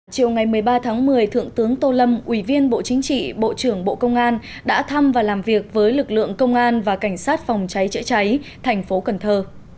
chiều ngày một mươi ba tháng một mươi thượng tướng tô lâm ủy viên bộ chính trị bộ trưởng bộ công an đã thăm và làm việc với lực lượng công an và cảnh sát phòng cháy chữa cháy thành phố cần thơ